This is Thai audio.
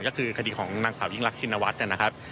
ก็คือคดีของนางสาวยิ่งรักชินวัฒน์นะครับ